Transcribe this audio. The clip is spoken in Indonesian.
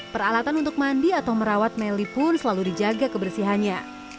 peralatan untuk mandi atau merawat melly pun selalu dijaga kebersihannya